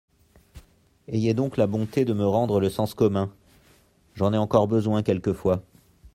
Ayez donc la bonté de me rendre le sens commun : j'en ai encore besoin quelquefois.